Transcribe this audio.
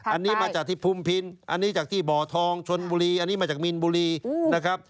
อันนี้มาจากที่ภูมิพินอันนี้จากที่บ่อทองชนบุรีอันนี้มาจากมีนบุรีนะครับ